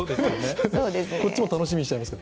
こっちも楽しみにしちゃいます。